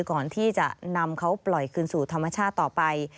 ก่อนที่จะนำเขาปล่อยคืนสู่ธรรมชาติต่อไป